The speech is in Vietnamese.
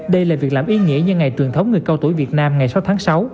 đây là việc làm ý nghĩa như ngày truyền thống người cao tuổi việt nam ngày sáu tháng sáu